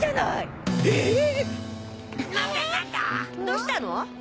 どうしたの？